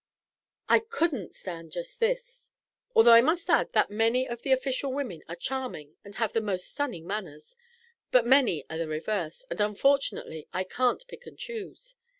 "I couldn't stand just this although I must add that many of the official women are charming and have the most stunning manners; but many are the reverse, and unfortunately I can't pick and choose.